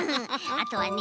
あとはね